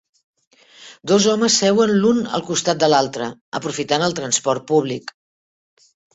Dos homes seuen l'un al costat de l'altre, aprofitant el transport públic.